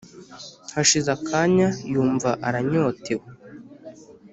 hashize akanya yumva aranyotewe,